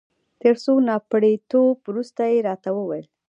تر څو نا پړيتو وروسته يې راته وویل.